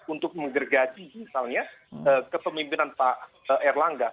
untuk menggergaji misalnya kepemimpinan pak erlangga